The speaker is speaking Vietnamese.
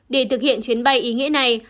để thực hiện chuyến bay ý nghĩa này